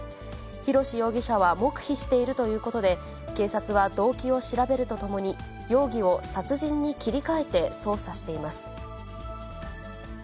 弘志容疑者は黙秘しているということで、警察は動機を調べるとともに、容疑を殺人に切り替えて捜査しています。